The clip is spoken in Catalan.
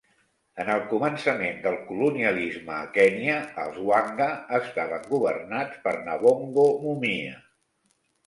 En el començament del colonialisme a Kenya, els Wanga estaven governats per Nabongo Mumia.